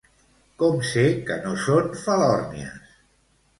Com sé que no són falòrnies?